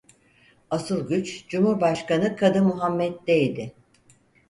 Asıl güç Cumhurbaşkanı Kadı Muhammed'deydi.